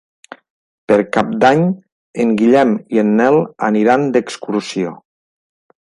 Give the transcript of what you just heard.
Per Cap d'Any en Guillem i en Nel aniran d'excursió.